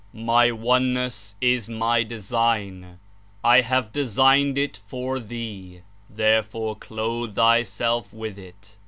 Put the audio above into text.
My Oneness is my design. I have designed it for thee; therefore clothe thyself zi:ith it.